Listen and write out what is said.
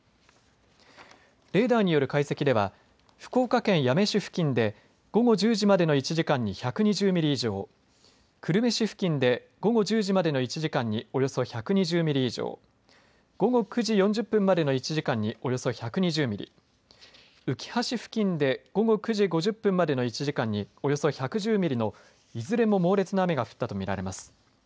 レーダーによる解析では福岡県八女市付近で午後１０時までの１時間に１２０ミリ以上久留米市付近で午後１０時までの１時間におよそ１２０ミリ以上午後９時４０分までの１時間におよそ１２０ミリうきは市付近で午後９時５０分までの１時間におよそ１１０ミリのいずれも猛烈な雨が降ったと見られます。